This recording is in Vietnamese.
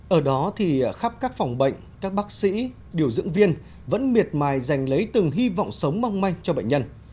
ở đó thì khắp các phòng bệnh các bác sĩ điều dưỡng viên vẫn miệt mài dành lấy từng hy vọng sống mong manh cho bệnh nhân